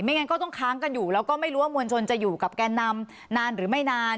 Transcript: งั้นก็ต้องค้างกันอยู่แล้วก็ไม่รู้ว่ามวลชนจะอยู่กับแกนนำนานหรือไม่นาน